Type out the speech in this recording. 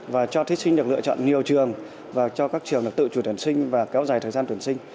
và cho thí sinh được lựa chọn nhiều trường và cho các trường tự chủ tuyển sinh và kéo dài thời gian tuyển sinh